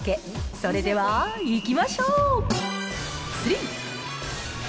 それではいきましょう。